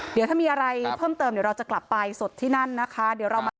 เดี๋ยวถ้ามีอะไรเพิ่มเติมเดี๋ยวเราจะกลับไปสดที่นั่นนะคะเดี๋ยวเรามา